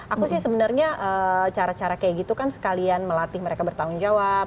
aku sih sebenarnya cara cara kayak gitu kan sekalian melatih mereka bertanggung jawab